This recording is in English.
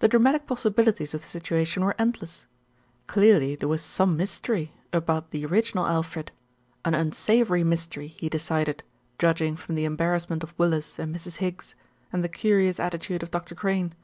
The dramatic possibilities of the situation were end less. Clearly there was some mystery about the original Alfred, an unsavoury mystery he decided, judg ing from the embarrassment of Willis and Mrs. Higgs, and the curious attitude of Dr. Crane.